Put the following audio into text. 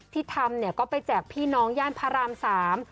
ที่ทำเนี่ยก็ไปแจกพี่น้องย่านพระรามสาม